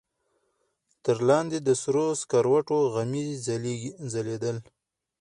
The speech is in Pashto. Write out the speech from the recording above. تر لاندې د سرو سکروټو غمي ځلېدل.